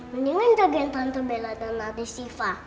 mendingan jagain tante bella dan adik siva